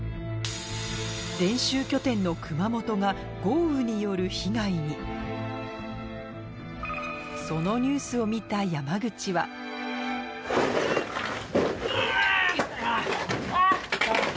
練習拠点の熊本が豪雨による被害にそのニュースを見た山口は・うぅ！